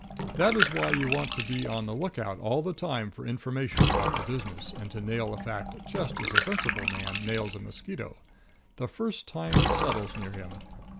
That is why you want to be on the lookout all the time for information about the business, and to nail a fact just as a sensible man nails a mosquito the first time it settles near him.